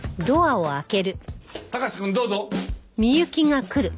高瀬くんどうぞ。